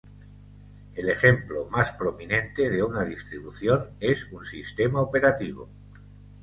El ejemplo más prominente de una distribución es un sistema operativo.